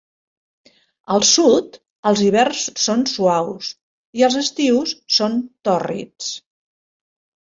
Al sud, els hiverns són suaus i els estius són tòrrids.